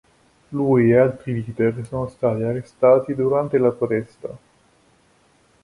Lui e altri leader sono stati arrestati durante la protesta.